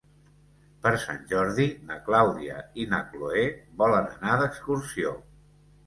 Per Sant Jordi na Clàudia i na Cloè volen anar d'excursió.